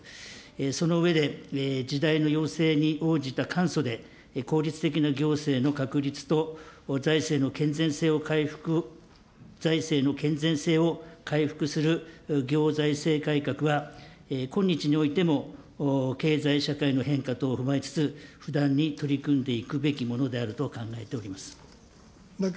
その上で、時代の要請に応じた簡素で効率的な行政の確立と、財政の健全性を回復、財政の健全性を回復する行財政改革は、今日においても、経済社会の変化等を踏まえつつ、不断に取り組んでいくべきものであると考えております。